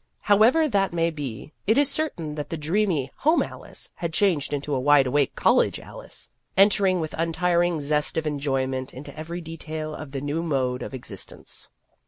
However that may be, it is certain that the dreamy home Alice had changed into a wide awake college Alice, entering with untiring zest of enjoyment into every detail of the new mode of existence.